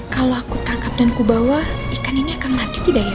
kalau aku tangkap dan aku bawa ikan ini akan mati tidak ya